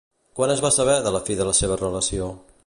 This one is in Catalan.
Quan es va saber de la fi de la seva relació?